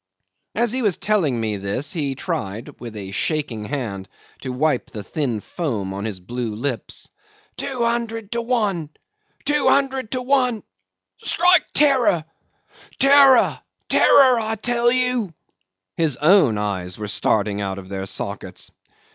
'As he was telling me this he tried with a shaking hand to wipe the thin foam on his blue lips. "Two hundred to one. Two hundred to one ... strike terror, ... terror, terror, I tell you. ..." His own eyes were starting out of their sockets.